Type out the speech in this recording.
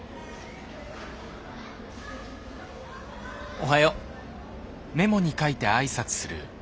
おはよう！